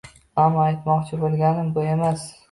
Ammo aytmoqchi bo‘lganim bu emas.